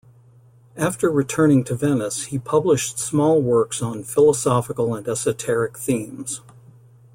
After returning to Venice he published small works on philosophical and esoteric themes.